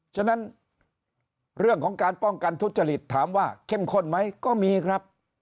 ฉะนั้นเรื่องของการป้องกันทุจริตถามว่าเข้มข้นไหมก็มีครับ